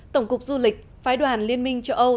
tổng cục du lịch phái đoàn liên minh châu âu